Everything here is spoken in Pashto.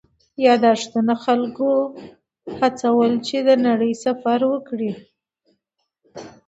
یادښتونه خلکو هڅول چې د نړۍ سفر وکړي.